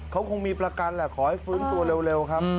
เขาคงมีประกันแหละขอให้ฟื้นตัวเร็วครับ